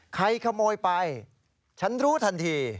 ขโมยไปฉันรู้ทันที